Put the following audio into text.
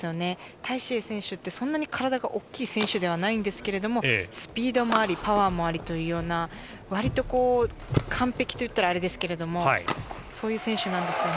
タイ・シエイ選手ってそんなに体が大きくないので、スピードもありパワーもありというような割と完璧というとあれですけど、そういう選手なんです。